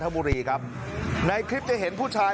สวัสดีครับคุณผู้ชาย